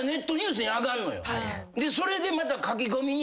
それでまた書き込みに。